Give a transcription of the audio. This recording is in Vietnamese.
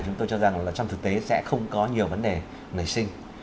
chúng tôi cho rằng là trong thực tế sẽ không có nhiều vấn đề nảy sinh